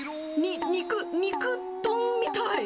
肉、肉、肉丼みたい。